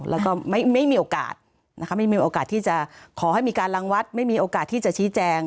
แล้วก็ไม่มีโอกาสที่จะขอให้มีการล้างวัดไม่มีโอกาสที่จะชี้แจง